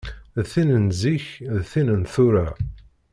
D tin n zik, d tin n tura.